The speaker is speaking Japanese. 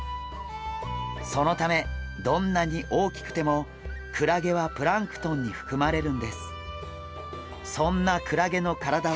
そのためどんなに大きくてもクラゲはプランクトンにふくまれるんです。